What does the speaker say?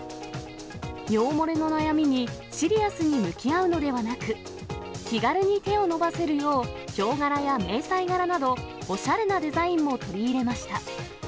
尿漏れの悩みに、シリアスに向き合うのではなく、気軽に手を伸ばせるよう、ヒョウ柄や迷彩柄など、おしゃれなデザインも取り入れました。